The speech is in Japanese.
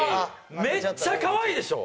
めっちゃ可愛いでしょ？